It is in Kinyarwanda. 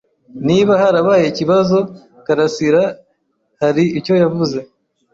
Niba harabaye ikibazo, Karasirahari icyo yavuze.